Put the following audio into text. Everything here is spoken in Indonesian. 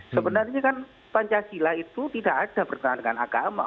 sebenarnya kan pancasila itu tidak ada bertentangan dengan agama